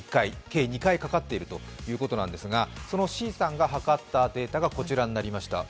計２回かかっているということなんですが、そのＣさんが測ったデータがこちらになりました。